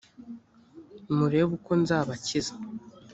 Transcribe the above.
murebe uko nzabakiza